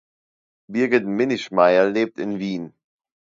Birgit Minichmayr lebt in Wien.